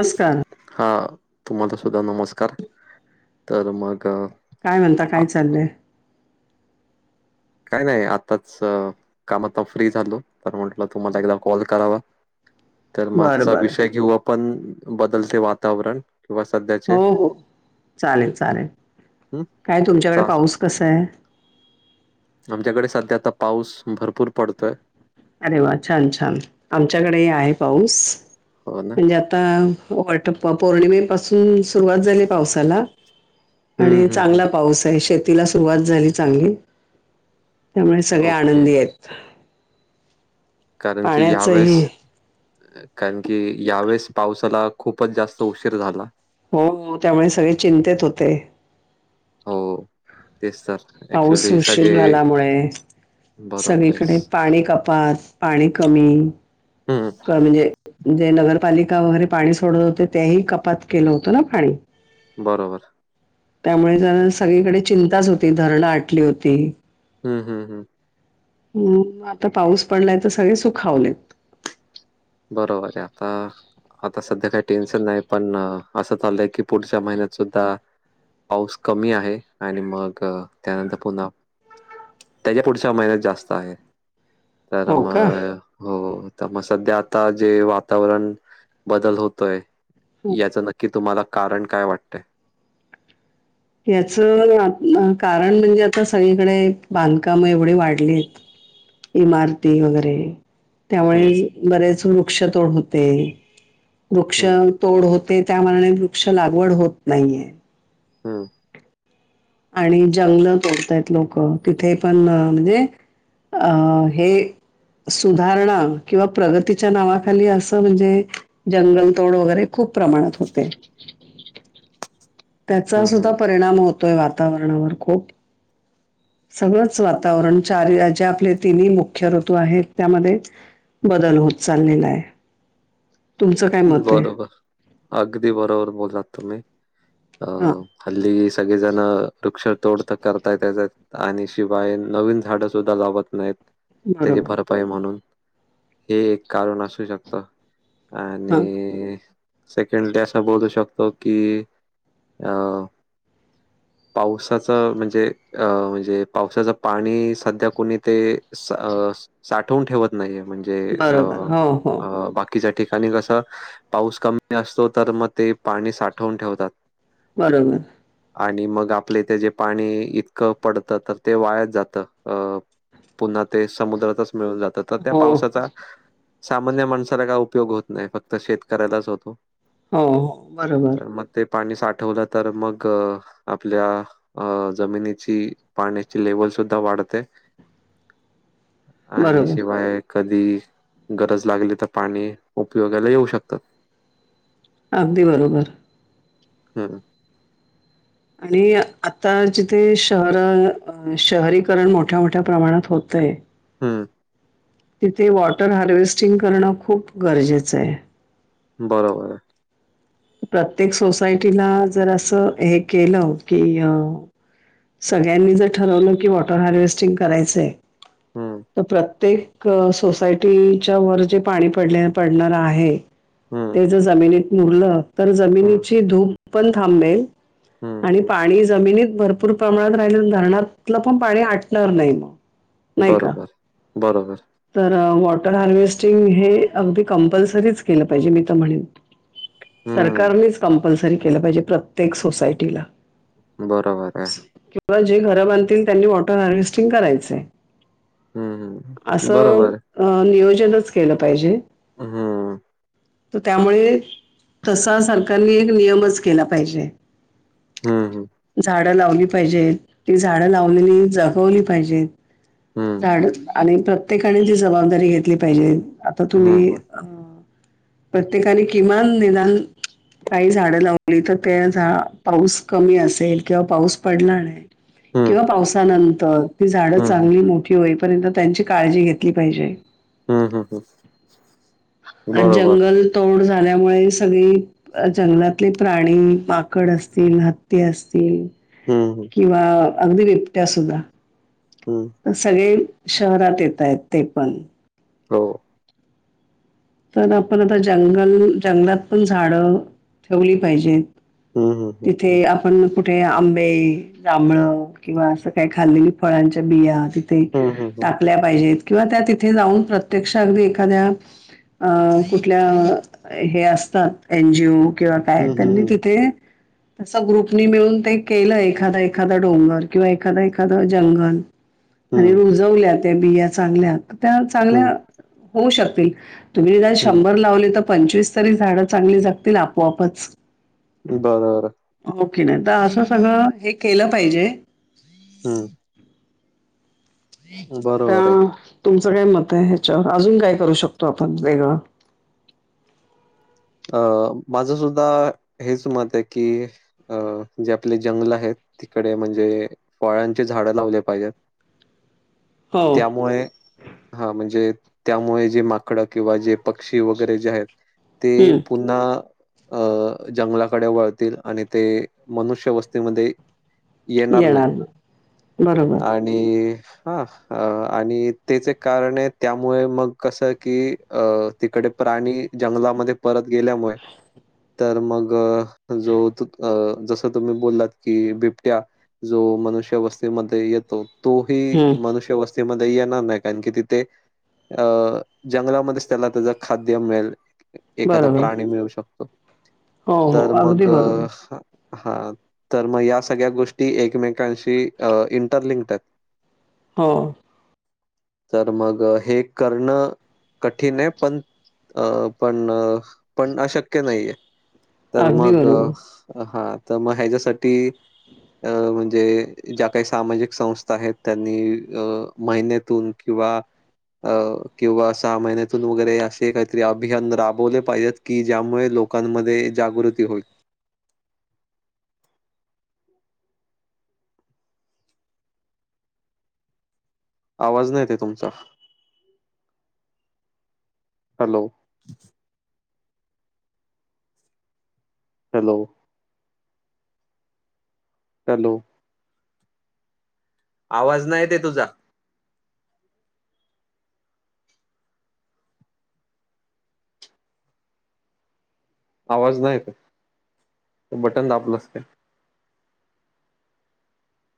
नमस्कार हा, तुम्हाला सुद्धा नमस्कार तर मग अ, काय म्हणता आ- काय चाललंय कांहीं नाहीं. आत्तांचं कामातनं फ्री झालों, तरं म्हंटलं तुम्हांला एकदां कॉल करांवा. तरं बरं मांगचां बरं विषय घेऊ आपणं, बदलते वातावरण. किंवा सध्याचे हो-हो, चालेलं-चालेलं. हं, कायं तुमंच्याकडे पाऊस कसां आहे? आमच्यांकडे संध्या आतां, पाऊस भरपूर पडतोयं. अरे वा! छान-छान, आमच्यांकडेही आहे पाऊस. हो ना? म्हणजे आतां, वाट पाहूं पौर्णिमे पाासूंन, सुरुवांत झालीं पावसांला हं, आणि हं, हं. चांगला पाऊस आहे. शेत तिलां सुरुवांत झालीं चांगली, त्यामुळें सगळें ओके. आनंदी आहेतं. कारणं की यांवेळेस, कारणं की यांवेळेस पावसांला खूपचं जास्तं उशीर झालां. हो.., त्यांमुळें सगळें चिंतेत होतें. हो... तेच तर. पाऊस ॲक्चुअली सगळे उशीरा झाल्यामुळे बरोबर आहे. सगळीकडे पाणी कपात, पाणी कमी. हं, म्हणजे जे नगरपालिका वगैरे पाणी सोडत होते, तेही कपात केलं होतं ना पाणी. बरोबर. त्यामुळे जरा सगळीकडे चिंताच होती, धरणं आटली होती. हम्म.. हम्.. हम्. हम्म, आतां पाऊस पडलांय तरं सगळें सुखांवलेत. बरोबर आहे आतां, आतां संध्या कांहीं टेन्शन नाहीं पणं असं चाललंय की, पुढच्या महिन्यांत सुद्धां पाऊस कमी आहे आणि मंग, त्यांनंतर पुन्हां त्यांच्या पुढच्या महीन्यांत जास्तं आहे. तरं हो का मंग हो तरं मंग संध्या आतां जे, वातांवरण बदल होतोय. यांचं नक्की तुम्हांला कारणं कायं वाटतंय? यांचं कारणं म्हणजे आतां, सगंळीकडे बांधकामं एवढे वाढलेत. इमांरती, वगैरे. हम्म त्यांमुळे, बरेच वृक्षतोड होतें. वृक्ष हम्म तोड होतं ते त्यांमानांने, वृक्ष लागवड होतं नाहीं आहे. हम्.. आणि जंगलं तोडतांयत लोकं, तिथे पणं म्हणजे अं.., हे सुधांरणा किंवा प्रगतीच्या नावांखाली, असं म्हणजे जंगलतोड वगैरें खूंप प्रमाणांत होतें. त्यांचा हम्म सुद्धां परिणाम होतोय, वातांवरणांवर खूंप. सगळंच वातांवरण चार जे, आपले तिन्हीं मुख्य ऋंतू आहेत. त्यांमध्ये बदल होतं चाललेलां आहे. तुमचं काय मत आहे? बरोबर, अगदीं बरोबर बोललांत तुम्हीं. अ.. हां, हल्लीं स सगळें जणं वृक्ष तोड तरं करतांत, त्यांच्यात आणि शिवाय नवीन झाडं सुद्धां लावत नाहीत त्यांची बरोबर. भरपाई म्हणूंन, हे एक कारणं अंसू शकतं. हां, आणि.. सेकंडली असां बोलू शंकतो की, अं.. पावसाचं, म्हणजे अ म्हणजे पावसाचं पाणी संध्या कुणी ते साठवून ठेवतं नाहीं, म्हणजे बरोबर. हो, हो. बाकी काही ठिकाणीं कसं, पाऊस कमी असतों तरं मंग ते पाणी साठवून ठेवतांत. बरोबर. आणि मंग आपल्यां इथं जे पाणी इतकं पडतं, तरं ते वायांच जातं. अ पुन्हा ते समुद्रातच मिळून जातं तर त्या हो, हो, पावसाचा सामान्य माणसाला काय उपयोग उपयोग होत नाही फक्त शेतकऱ्यालाच होतो हो. बरोबर, तर मग ते पाणी साठ ठवलं तर मग आपल्या जमिनीची पाण्याची लेवल सुद्धा वाढ म ते आणि बरोबर. शिवाय कधी गरज लागली तर पाणी उपयोगाला येऊ शकतात. अगदी बरोबर. हम्म. आणि आता जिथे शहर शहरीकरण मोठ्या मोठ्या प्रमाणात होतय हम्म. तिथे वॉटर हार्वेस्टिंग करणं खूप गरजेचं आहे. बरोबर आहे. प्रत्येक सोसायटीला जर असं हे केलं की अ सगळ्यांनी जर ठरवलं की वॉटर हार्वेस्टिंग करायचंय हं, तर प्रत्येक क सोसायंटीच्या वर जे पाणी पडले पडणांर आहे हं, ते ज जमिनींत मुरलं तरं हं, जमिनींची धूप पणं थांबेल हं, आणि हं. पाणी जमिनींत भरपूर प्रमाणांत राहिले तर धरणांतलं पणं पाणी आंटणार नाहीं मंग बरोबर बरोबर तर वॉटर हार्वेस्टिंग हे अगदीं कंपल्सरीच केलं पाहिजे मी तरं म्हणणें हं, सरकांरनेच कंपल्सरी केलं पाहिजे प्रत्येक सोसांयटीला बरोबर आहे. कवा जे घर बांधतील त्यांनी वॉटर हार्वेस्टिंग करायचय. हं, हं. असं बरोबर आहे. नियोजनच केलं पाहिजे. हम्म. तर त्यामुळे तसा सरकारने एक नियमच केला पाहिजे. हम्म हम्म. झाड लावली पाहिजेत ती झाड लावले जगवली पाहिजेत हं, झाड आणि प्रत्येकाने जी जबाबदारी घेतली पाहिजे आता हं, तुम्ही हं, अ प्रत्येकाने किमान निदान काही झाडं लावली तर त्या झा पाऊस कमी असेल किंवा पाऊस पडणार नाही हं, हं, किंवा पावसानंतर ती झाडं हं, चांगली मोठी होये पर्यंत त्यांची काळजी घेतली पाहिजे. हम्म हम्म हम्म. अ जंगल तोड झा झाल्यामुळे सगळी जंगलातले प्राणी पाकड असतील हत्ती असतील हं, हं, किंवा अगदी बिबट्या सुद्धा हं. तर सगळे शहरात येत आहेत ते पण हो. तर आपण आता जंगल जंगलात पण झाडं ठेवली पाहिजेत. हम्म हम्म हम्म. तिथे आपण कुठे आंबे जांभळ किंवा असं काही खाल्लेली फळांच्या बिया तथ हं, हं, हं. टाकल्या पाहिजेत किंवा त्या तिथे जाऊन प्रत्यक्ष अगदी एखाद्या अ कुठल्या हे असतात एनजीओ किंवा काय हं, हं, त्यांनी हं. तिथे [unintelligible] तस ग्रुपनी मिळून ते केलं एखादा एखादा डोंगर किंवा एखादां एखादं जंगल आणि हं, रुजवल्या त्या बिया चांगल्या त्या चांगल्या हं, होऊ शकतील तुम्ही हं. शंभर लावले तर पंचवीस तरी झाडं चांगली जगतील आपोआपच. बरोबर. ओके नाही तर असं सगळं हे केलं पाहिजे. हम. [unintelligible] आहे. काय मत आहे ह्याच्यावर अजून काय करू शकतो आपण वेगळं. अ माझं सुद्धा हेच मत आहे की अ जे आपले जंगल आहेत. तिकडे म्हणजे फळांचे झाडं लावले पाहिजेत. हो त्यामुळे हा म्हणजे त्यामुळे जे माकडं किंवा जे पक्षी वगैरे जे आहेत ते हम्म पुन्हा. अं जंगलाकडे वळतील आणि ते मनुष्य वस्तीमध्ये. येणार नाही बरोबर आणि हा आणि तेच कारण आहे त्यामुळे मग कसं की तिकड. प्राणी जंगलामध्ये परत गेल्यामुळे तर मग जो जसं तुम्ही बोललात की बिबट्या. जो मनुष्यवस्थेमध्ये येतो तो ह हम्म मनुष्यवस्थ. मध्ये येणार नाही कारण की तिथे. अं जंगलामध्येच त्याला त्याचा खाद्य मिळेल. एखादा बरोबर प्राणी मिळू शकतो हो हो तर मग अगदी बरोबर हा तर मग या सगळ्या गोष्टी एकमेकांशी इंटरलिंक्ड आहेत. हो. हे करणे कटींग आहे पण अ पण प पण अशक्य नाहीे तर अगदी मग बरोबर हा. तर मग ह्याच्यासाठी. अ म्हणजे ज्या काही सामाजिक संस्था आहेत त्यांनी महिन्यातून किं किंवा सहा म्या वर अस काही अभ. राबवले पाहिजेत की ज्यामुळे लोकांमध्ये जागृती होईल. [unintelligible] आवाज नाही ते तुमचा. हॅलो. हॅलो. हॅलो. आवाज नाही ते तुझा. आवाज नाही का बटन दाबलं अस का.